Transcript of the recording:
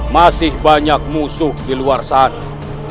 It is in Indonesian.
masih banyak musuh di luar sana